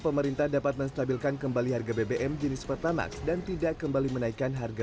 pemerintah dapat menstabilkan kembali harga bbm jenis pertamax dan tidak kembali menaikkan harga